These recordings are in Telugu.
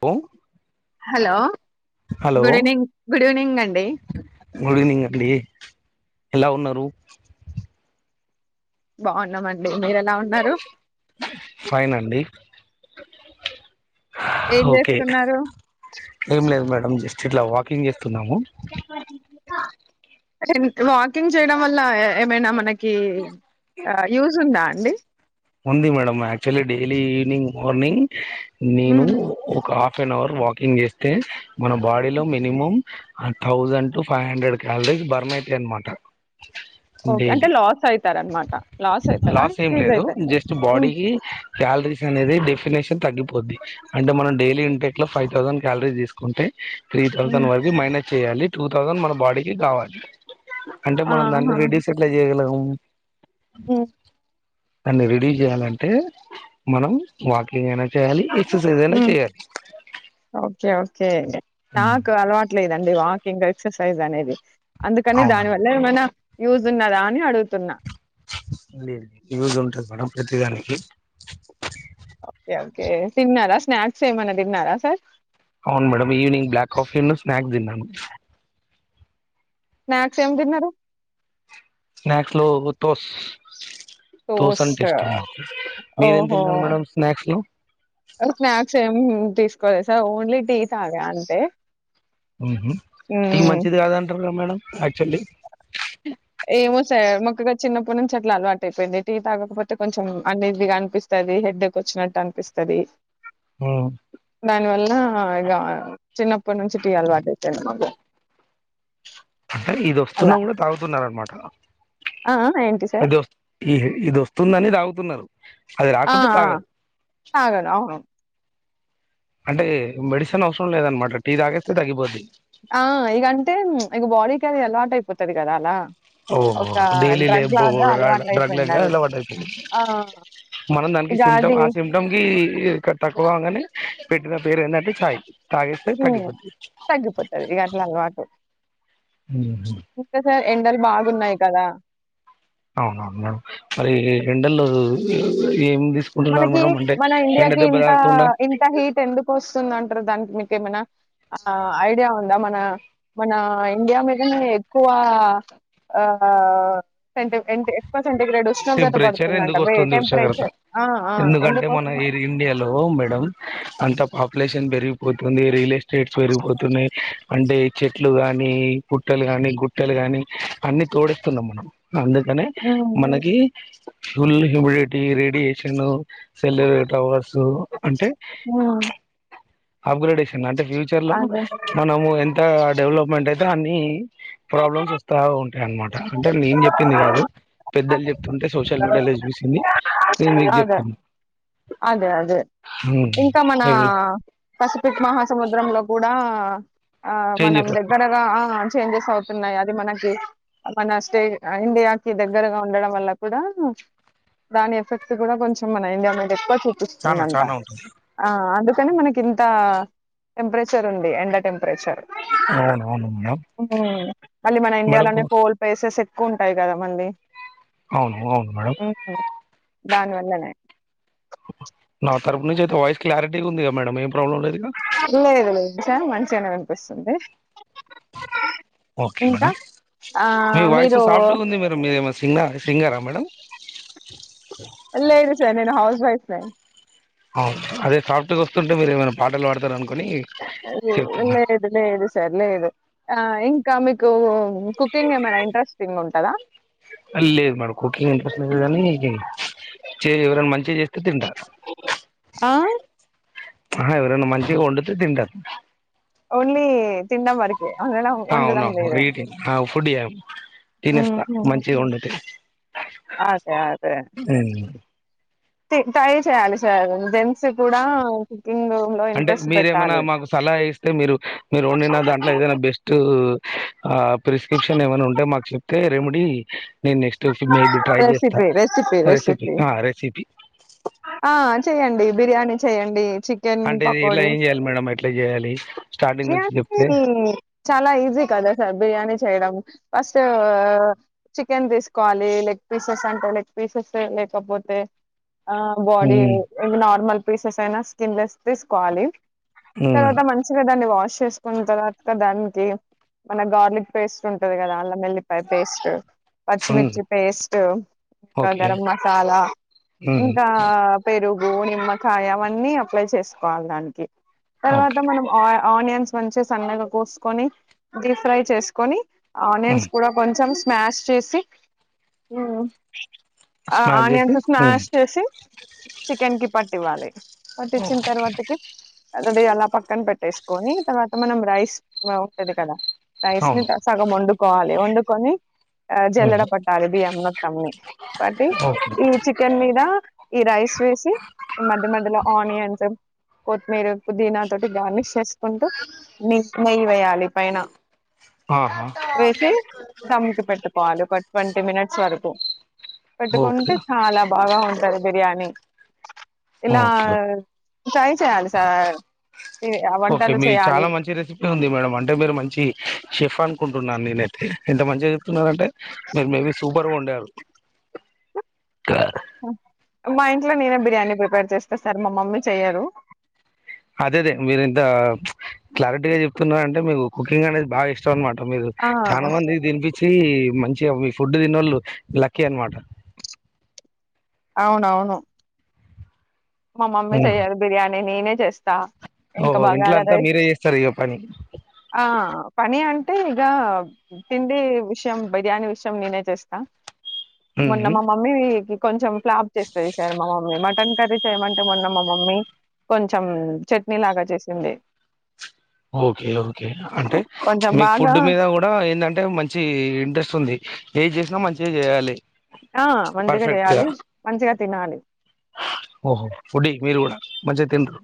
పో hello good evening good evening అండి గుడ్ ఈవినింగ్ అండి ఎలా ఉన్నారు రూ బాన్నామండి మీర ఎలా ఉన్నారు ఫైన్ అండి ఏం ఓకే చేస్తున్నారు ఏం లేదు మేడం జస్ట్ ఇట్లా వాకింగ్ చేస్తున్నాము వాకింగ్ చేయడం వల్ల ఏమైనా మనకి యూస్ ఉందా అండి ఉంది మేడ ఆక్చులీ డైలీ ఈవనింగ్ మార్నింగ్ నేను హ్మ్. ఒక ఆఫ్ ఎన్ అవర్ వాకింగ్ చేస్తే మన బాడీలో minimum thousand to five hundred calories burn అయితాయి అనమాట ఓకే అంటే డైలీ లాస్ అవుతార అనమాట లాస్ అవుతారాజ్ ఏం లేదు అవుతారు జస్ట్ బాడీకిి క్యాలరీస్ అనేది డఫ ఫషన్ త్గిపోద్ది అంటే మనం డైలీ ఇంట ఇట్ ఫై్థౌజడ్ క్యాలరీ తీసుకుంటే త్రీ థౌసండ్ వరకు మైనస్ చేయాలి టూ థౌజండ్ మన బాడీకి కావాలి అంటే మనం దాన్ని రిడ్యూస్ ఎట్లా చేయగలం అవు హ దాన్ని రెడీ చేయాలంటే మనం వాట చేయాలి ఎక్ససైజ అనా హ్మ్. చెయాలి ఓకే ఓకే నాకు అలవాట్లేదండి వాకింగ ఎక్సైజ అనేది అందుకని అవునా దాని వల్ల ఏమన్నా యూజ్ ఉన్నదా అని అడుగుతున్నా లే యూజ్ ఉంటది మేడం ప్రతిదానికి ే తిన్నారా స్నాక్స్ ఏమన్నా తిన్నారా సార్ అవును మేడ ఈవనింగ్ బ్లాక్ కాఫి స్నాక్స్ దిన్నాను స్నాక్స్ ఏం తిన్నారు స్న్క్స్ లో తోస్ తోస అంటే టోస్ట్ ఇష్టం మాకు మీరేం ఓహో తింటారు మేడం స్నాక్స్ లో స్నాక్స్ ఏం తీసుకోవలేి సార్ ఓన్లీ టీ తాగా అంటే ఇక మంచిది కాదంటారు మేడం ఆక్చువల్లీ ఏమో సా మొక్కగా చిన్నప్పటి నుంచి అట్లా అలవాటు అయిపోయింది టీ తాగకపోతే కొంచెం అన్ఈజీగా అనిపిస్తుంది హెడ్డక్ వచ్చినట్టు అనిపిస్తుంది ఆ ఇ చిన్నప్పటి నుంచి టీ అలవాటచ్చాను అంటే ఇ వస్తున్నా కూడా తగుతున్నా అమాట ఆ ఆ ఏంటి సార్ అది వ ఈ ఇది వస్తుందని తగుతున్నారు ఆ ఆ సగను అవును అంటే మెడిసిన్ అవసరం లేదనమాట టీ తాగేస్తే తగ్గిపోద్ది ఆ ఇకంటే ఇక బాడీ కారీ అలవాటు అయిపోతది కదా అలా ఓహో ఒక డైలీ లే డ్రగ్ బ లాగా అలవాటు డ్రగ్ అయిపోయింది అది ఇలాయిపో ఆ మనం దానికి ఇగ సిమ్టమ్ అది ఆ సిమ్టమ్ కి తక్కువగాని పెట్టిన పేరు ఎందంటే ఛాయి హ తగ్గిపోతది ఈ గట్ల అల్వాటు [unintelligible] ఎండలు బాగున్నాయి కదా అవునవును మేడం మరి రెండల్లో ఏం తీసుకుంటున్నారు మనకి మేడం అంటే మన ఎండ ఇండియాకి దెబ్బ ఇంత తాకకుండా ఇంత హీట్ ఎందుకు వస్తుంద దానికి మీకు ఏమనా ఆ ఐడియా ఉందా మన మన ఇండియా మీద నే ఎక్కువ ఆ సె [unintelligible] సెంటిగ్రేడ్ ఉష్ణోగ్రత టెంపరేచర్ పడుతుందంట ఎందుకు వే వస్తుంది ఉష్ణోగ్రత టెంపరేచర్ ఆ ఆ ఎందుకంటే ఎందుకు మన ఎయిర్ ఇండియాలో మేడం అంత పాపులేషన్ పెరిగిపోతుంది రియలెస్ స్టేట్స్ పెరిగిపోతున్నాయి అంటే చెట్లు గాని పుట్టలు గానీ గుట్టలు గాని అన్నీ తోడిత్తున్నాం మనం అందుకనే హ్మ్ మన ఫుల్ హ్యూమిడిటీ రేడియేషను సెల్ర్ ట్రవర్సు అంటే హుఆ అప్గ్రేడేషన్ అంటే ఫ్యూచర్ లో మనము ఎంత డెవలప్ మంటేద న్ని ప్రాబ్లమ్స్ వస్తా ఉంటాయి అనమాట అంటే నేను చెప్పింది కాదు పెద్దలు చెప్ మీకు అదే చెప్తున్నా అదే అదే ఇంకా మన ఎవరు పసిఫిక్ మహాసముద్రంలో కూడా ఆ ఆ మనం చేంజెస్ వస్తాయి దగ్గరగా ఆ చేంజెస్ అవ్ మనకి మన స్టే ఇండియాకి దగ్గరగా ఉండడం వల్ల కూడా దాని ఎఫెక్ట్ కూడా కొంచెం మన ఇండియా మీద ఎక్ చానా చూపిస్తుందంట చానా ఉంటుంది ఆ అందుక్ కాని మనకి ఇంత టెంపరేచర్ ఉంది ఎండ టెంపరేచర్ అవునవును మేడంమ్ ఉమ్. మళ్ళీ మన ఇండియాలోనే కోల్ పేస్ సెస్ ఎక్కువ ఉంటాయి కదా మంది అవును అవును మేడం దాన్ వల్లనే నా తరపు నుంచి అయితే వాయిస్ క్లారిటీ ఉంది క మేడం ప్రాబ్లం లేదుగా లేదులే చానా మ చానా కనిపిస్తుంది ఓకే మేడం మీ వాయిస్ మీరు సాఫ్ట్గా ఉంది మీరు మీదేమ సింగ సింగార మేడం లేదు సార్ నేను హౌస్ వైఫ్ నే అవును అదే సాఫ్ట్ వస్తుంటే మీరు ఏమైనా పాటలు పాడతారు అనుకుని చెప్తున్నా లేదు లేదు సార్ లేదు ఆ ఇం ఇంకా మీకు కుకింగ్ ఏమైనా ఇంట్రెస్టింగ్ ఉంటదా లేదుమేడమ్ కుకింగ్ ఇంట్రెస్ట్ లేదు కానీ చెయఎవరైనా మంచిగా చేస్ తింటా ఆహ ఎవరైనా మంచిగా వండితే తింటా ఓన్లీ తినడం వరకే వండడం అ వండడం అవునా వా లేదు ఈటింగ్ ఫుడ్ చేయం తినేస్తా మ్మ్. మంచిగా వండితే ఎన్ తె ట్రై చేయాలి సర్ దెన్ అంటే మీరేమైనా పెట్టాలి మాకు సలహా ఇస్తే మీరు మీరు వండిన దాంట్లో ఏదైనా బెస్టు ఆ ప్రిస్క్రిప్షన్ ఏమైనా ఉంటే మాకు చెప్తే రెమెడీ నేను నెక్స్ట్ మే బి ట్రై చేస్తా రెసిపీ రెసిపీ రెసిపీ అ రెసిపీ ఆ చెయ్యండి బిర్యానీ చెయ్యండి చికెన్ అంటే ఇలా పకోడి ఏం చేయాలి మేడం ఎట్లా చేయాలి స్టార్టింగ్ నుంచి బిర్యానీ చెప్తే చాలా ఈజీ కదా సార్ బిర్యానీ చేయడం ఫస్ట్ చికెన్ తీసుకోవాలి లెగ్ పీసెస్ అంటే లెగ్ పీసెస్ లేకపోతే ఆ బాడీ హ్మ్ నార్మల్ పీసెస్ అయినా స్కిన్లేస్ తీసుకోవాలి హ్మ్ తర్వాత మంచిగ దాన్ని వాష్ చేసుకున్న తర్వాత దానికి మన గార్లిక్ పేస్ట్ ఉంటది కదా అల్లం ఎల్లిపాయ పేస్ట్ హ్మ్ పచ్చిమిర్చి పేస్ట్ ఇకా ఓకే గరం మసాలా హ్మ్ ఇంకా పేరు పూవు నిమ్మకాయ అవన్నీ అప్లై చేసుకోవాలి దానికి తర్వాత ఓకే మనం ఆ ఆనియన్స్ మంచి సన్నగా కోసుకొని డీప్ ఫ్రై చేసుకొని ఆనియన్స్ హ్మ్ కూడా కొంచెం స్మాష్ చేసి ఆ స్మాష్ అనియన్ చేసి హ్మ్ స్నాస్ చేసి చికెన్ కి పట్ టి వాలి పటిచ్చిన ఓకే. తర్వాతకి ఆల్రెడీ అలా పక్కన పెట్టేసుకొని తర్వాత మనం రైస్ ఉంటది కదా రైస్ ని అవును సగం వండుకోవాలి వండు కొని ఆ జల్లడ హ్మ్ పట్టాలి బియ్యం మొత్తంన్ని బట్టి ఓకే ఈ చికెన్ మీ ఈ రైస్ వేసి మధ్య మధ్యలో ఆనియన్స్ కొతిమీర పుదినా తోటి గర్లిష్ చేసుకుంటే మీ నెయ్యి వేయాలి పైన ఆహా వేసి ధంమ్కి పెట్టుకోవాలి ఒక ట్వంటీ మినిట్స్ వరకు ఓకే పట్టుకుంటే చాలా బాగా ఉంటది బిర్యానీ ఇలా ఓకే ట్రై చేయాలి సార్ ఓకే వంటలు మీ చేయాలి చి చెఫ్ అనుకుంటున్నాను నేనైతే ఇంత మంచిగ తున్నారంటే మీరు మేబి సూపర్గా వన్డారు మా ఇంట్లో నేనే బిర్యానీ ప్రిపేర్ చేస్తా సార్ మా మమ్మీ చెయ్యరు అదే అదే మీరు ఇంత క్లారిటీగా చెప్తున్న అంటే మీకు కుకింగ్ అనేది బాగా ఇష్టం అనమాట మీరు ఆ చానా మందికి తినిపించి మంచిగా మీ ఫుడ్ తినోళ్ళు లక్కీ అనమాట అవునవును మా మమ్మీ ఉమ్. చెయ్యారు బిర్యానీ నేనే చేస్తా ఇంకా ఓహో బగారా ఇంట్లంతా రైస్ మీరే చేస్తారు ఇగ పని ఈగ తిండి విషయం బిర్యానీ విషయం నేనే చేస్తా మొన్న ఉమ్. మా మమ్మీ వి కొంచెం ఫ్లాప్ చేస్తది సార్ మా మమ్మీ మటన్ కర్రీస్ చేయమంటే మొన్న మా మమ్మీ కొంచెం చట్నీ లాగా చేసింది ఓకే ఓకే అంటే కొంచెం మీకు బాగా ఫుడ్ మీద కూడా ఏందం మంచి ఇంట్రెస్ట్ ఉంది ఏది చేసినా మంచిగా చేయాలి ఆ మంచిగా పర్ఫెక్ట్ గా చేయాలి మంచిగా తినాలి ఓహో ఫుడీ మీరు కూడా మంచిగా తినరు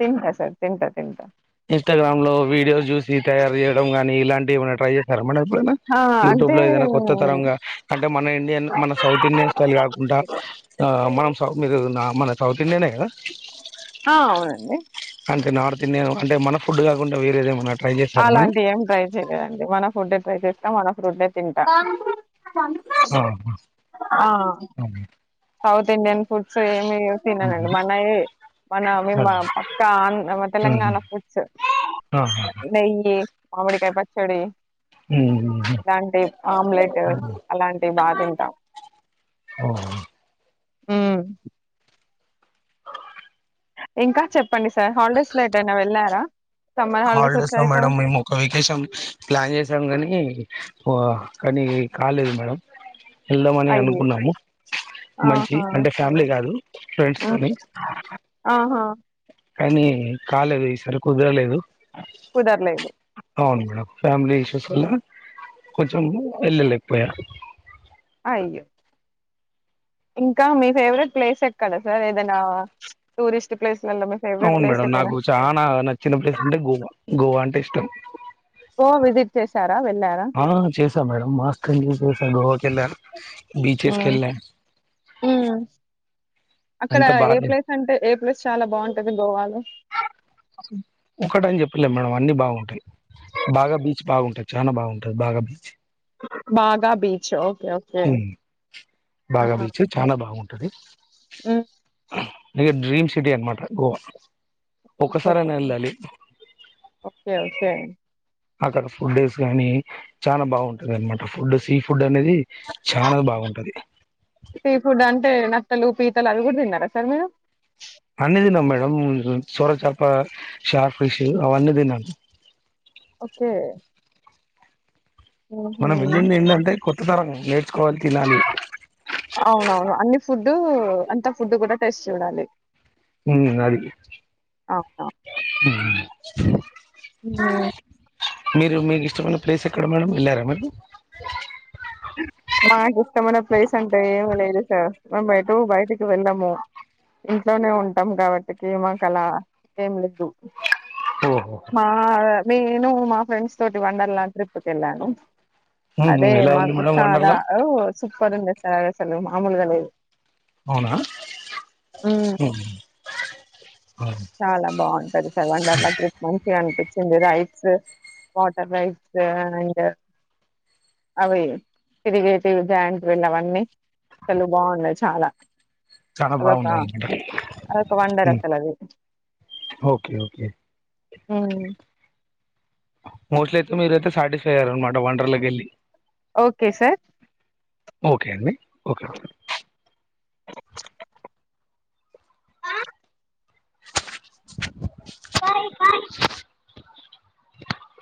తింటా సార్ తింటా తింటా ఇన్స్టాగ్రామ్ లో వీడియోస్ చూసి తయారు చేయడం గానీ ఇలాంటివి ఏమైనా ట్రై చెత్తర మేడం ఎప్పుడన్నా ఆ! యూట్యూబ్ అంటే లో ఏదైనా కొత్త తరంగా అంటే మన ఇండియన్ మన సౌత్ ఇండియన్ స్టైల్ కాకుండా మనం ఆ మీరు నామనచావ్ ఇన్ననే గద ఆ! అవునండి. అంటే నార్ అంటే మన ఫుడ్ కాకుండా వేరేదేమైనా అలాంటి ఏం ట్రై చెయలేదండి మన ఫుడ్ ట్రై చేస్తా మన ఫుడ్ ఏ తింటాం ఆ ఆ సౌత్ ఇండియన్ ఫుడ్స్ ఏమి తిననండి మనయే మన మేం మా అదే పక్క తెలంగాణ ఫుడ్స్ ఆహా నెయ్యి మామిడికాయ పచ్చడి ఇలాంటి ఆమ్లెట్ అలాంటివి బా తింటా ఓ మ్మ్ ఇంకా చెప్ సమ్మర్ హాలిడేస్ లో వచ్చాయి కదా మేడం మేము ఒక ఒక్కేషను చేశాం కానీ ఓ కానీ కాలేదు మేడం వెళ్దామని అయ్యో అనుకున్నాము మంచి ఆహా అంటే ఫ్యామిలీ కాదు ఉమ్, ఆహా కానీ కాలేదు ఈసరి కుదరలేదు కుదర్లేదు అవును మేడం ఫ్యామిలీ ఇష్యూస్ వల్ల కొంచెం వెళ్ళలేకపోయా అయ్యో ఇంకా మీ ఫేవరెట్ ప్లేస్ ఎక్కడ సార్ ఏదైనా టూరిస్ట్ ప్లేస్ ప్లేస్లలో మీ ఫేవరెట్ అవును మేడం ఏదైనా నాకు చాలా నచ్చిన ప్లేస్ అంటే గోవా, గోవా న్ ఇష్టం ఓ విజిట్ చేస్ ఆ చేసా మేడం మాస్కంజ చేసా గోవాకి వెళ్ళాను బీచెస్కి వెళ్ళా మ్మ్ అక్కడ అంత ఏ బాగా ప్లేస్ అంటే ఏ ప్లేస్ చాలా బాగుంటది గోవాలో ఒకట అని చెప్పలేము మేడం అన్ని బాగుంటాయి బాగా బీచ్ బాగుంటాయి చాలా బాగుంటుది బాగా బీచ్ బాగా బీచ్ ఓకే ఓకే ఉమ్, ఆ హా టది ఊ ఇది డ్రీమ్ సిటీ అనమాట గోవా ఓహో ఒకసారైనా వెళ్ళాలి ఓకే ఓకే అక్కడ ఫుడ్డేస్ గానీ చానా బాగుంటది అనమాట ఫుడ్ సీ ఫుడ్ అనేది అది చాల బాగుంటది సీ ఫుడ్ అంటే నత్తలు పీతలు అది కూడా తిన్నారా సార్ మీరు సోర చాప షార్ట్ పిసి అవన్నీ తిన్నాను ఓకే ఉహు మనం వెళ్ళింది ఏంటంటే కొత్త తరం కోల్ తిలాలి అవునవును అన్ని ఫుడ్ అంత ఫుడ్ కూడా టేస్ట్ చూడాలి ఉ అడిగి అవునా ఉ స ఆ మీరు మీకు ఇష్టమైన ప్లేస్ ఎక్కడ మేడం వెళ్ళారా మరి మాకు ఇష్టమైన ప్లేస్ అంటే ఏమి లేదు సార్ మేము ఎటు బయటికి వెళ్ళము ఇంట్లోనే ఉంటాం కాబట్టికి మాకలా ఏమి లేదు ఓహో మా అదే నేను మా ఫ్రెండ్స్ తోటి వండర్ ల్యాండ్ ట్రిప్కి వెళ్ళాను ఉహు ఎలా ఉంది అదేమాకు మేడం చాలా వండర్లా వు సూపర్ వుంది సర్ అసలు మామూలుగా లెదు అవునా ఊ మా చాలా బాగుంటది సార్ వండర్లా ట్రిప్ మంచిగా అనిపించ్ నచ్చింది రైట్స్ వాటర్ రైట్స్ అండ్ అవి తిరిగేటి జాయింట్విల్ అవన్నీ అసలు బాగున్నాయి చాలా చాలా అదొక బాగుంది అనమాట అదొక వండర్ అసలు అది ఓకే ఓకే ఓ మోస్ట్లీ అయితే మీరైతే సాటిస్ఫై అయ్యారాన్న మాట వండర్లకి వెళ్ళి ఓకే సార్ ఓకే అండి ఓకేఓకే మా బాయ్